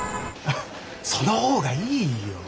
その方がいいよ。